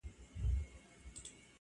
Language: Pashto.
غېږه تشه ستا له سپینو مړوندونو!.